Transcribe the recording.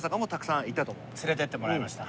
連れてってもらいました。